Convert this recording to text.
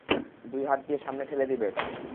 দুই হাত দিয়ে সামনে ঠেলে দেবে এটা।